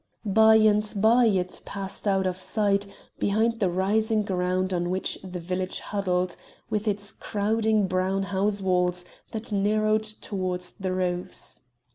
By and by it passed out of sight, behind the rising ground on which the village huddled, with its crowding brown house walls that narrowed towards the roofs.